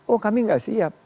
oh kami gak siap